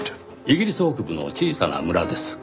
イギリス北部の小さな村です。